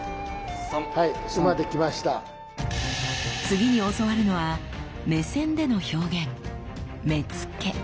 次に教わるのは目線での表現